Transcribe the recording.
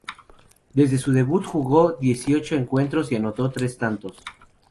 Desde su debut jugó dieciocho encuentros y anotó tres tantos.